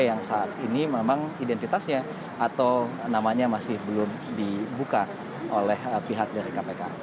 yang saat ini memang identitasnya atau namanya masih belum dibuka oleh pihak dari kpk